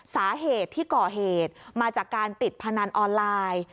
สาเหตุที่ก่อเหตุมาจากการติดพนันออนไลน์